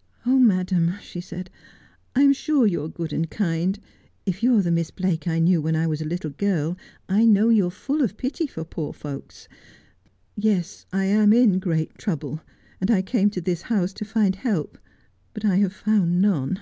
' Oh, madam,' she said, ' I am sure you are good and kind. If you are the Miss Blake I knew when I was a little girl, I know you are full of pity for poor folks. Yes, I am in great trouble, and I came to this house to find help, but I have found none.'